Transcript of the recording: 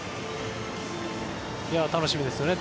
楽しみですよね。